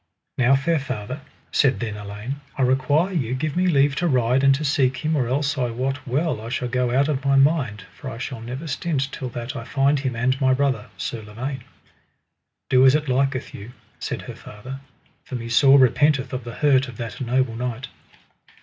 Now fair father, said then Elaine, I require you give me leave to ride and to seek him, or else I wot well I shall go out of my mind, for I shall never stint till that I find him and my brother, Sir Lavaine. Do as it liketh you, said her father, for me sore repenteth of the hurt of that noble knight.